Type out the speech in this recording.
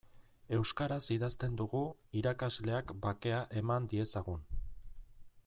Euskaraz idazten dugu irakasleak bakea eman diezagun.